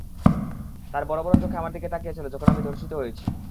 তার বড় বড় চোখ আমার দিকে তাকিয়ে ছিল যখন আমি ধর্ষিত হয়েছি।